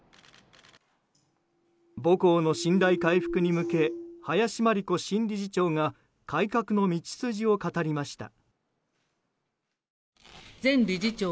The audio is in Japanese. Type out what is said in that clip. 母校の信頼回復に向け林真理子新理事長が改革の道筋を語りました。